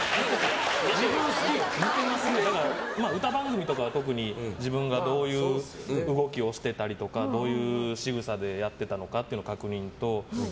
だから歌番組とかは特に自分がどういう動きをしていたりとかどういうしぐさでやっていたかの確認と。